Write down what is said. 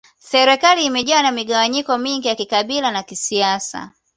Serikali imejawa na migawanyiko mingi ya kikabila na kisiasa